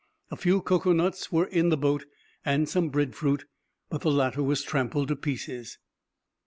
A few cocoa nuts were in the boat, and some bread fruit, but the latter was trampled to pieces.